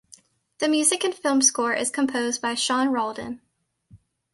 The music and film score is composed by Sean Roldan.